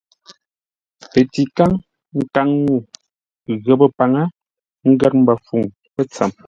Pətíkáŋ, nkaŋ-ŋuu, ghəpə́ paŋə, ngər mbəfuŋ pətsəm.